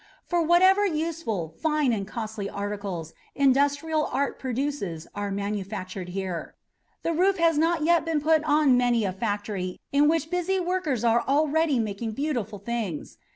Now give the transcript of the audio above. for whatever useful, fine, and costly articles industrial art produces are manufactured here. The roof has not yet been put on many a factory in which busy workers are already making beautiful things.